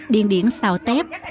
điên điển xào tép